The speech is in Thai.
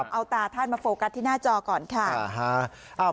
เอาตาท่านมาโฟกัสที่หน้าจอก่อนค่ะ